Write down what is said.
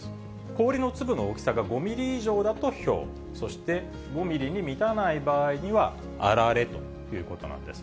氷の粒の大きさが５ミリ以上だとひょう、そして５ミリに満たない場合にはあられということなんです。